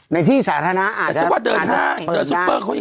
ในที่สาธารณะอาจจะ